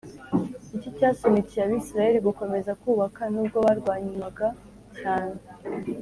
Ni iki cyasunikiye Abisirayeli gukomeza kubaka n ubwo barwanywaga cyane